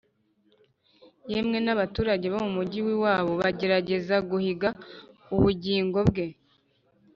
yemwe n’abaturage bo mu mugi w’iwabo bageragezaga guhiga ubugingo bwe